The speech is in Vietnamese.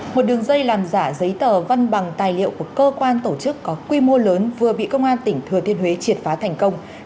một đường dây làm giả giấy tờ văn bằng tài liệu của cơ quan tổ chức có quy mô lớn vừa bị công an tỉnh thừa thiên huế triệt phá thành công